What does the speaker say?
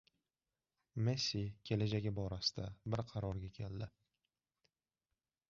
Messi kelajagi borasida bir qarorga keldi